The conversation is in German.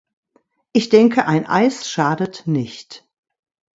Ich denke, ein Eis schadet nicht.